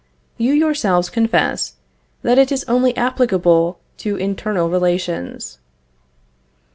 You yourselves confess that it is only applicable to internal relations.